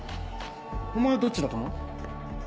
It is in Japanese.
お前どっちだと思う？